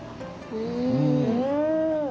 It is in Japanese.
うん！